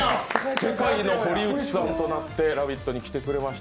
世界の堀内さんとなって「ラヴィット！」に来ていただきました。